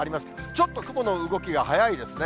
ちょっと雲の動きが速いですね。